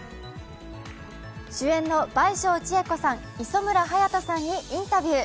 主演の倍賞千恵子さん、磯村勇斗さんにインタビュー。